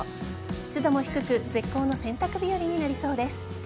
湿度も低く絶好の洗濯日和になりそうです。